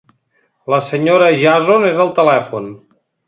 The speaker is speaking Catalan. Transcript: La senyora Jason és al telèfon.